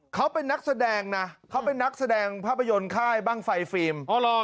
เขาเป็นนักแสดงนะเขาเป็นนักแสดงภาพยนตร์ค่ายบ้างไฟฟิล์ม